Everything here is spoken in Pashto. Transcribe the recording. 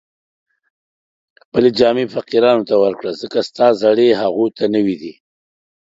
خپلې جامې فقیرانو ته ورکړه، ځکه ستا زړې هغو ته نوې دي